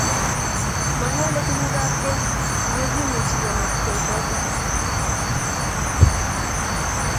mokiwolei tugukab keny, ako kimuchi kenetengei choto